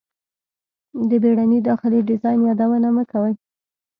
د بیړني داخلي ډیزاین یادونه مه کوئ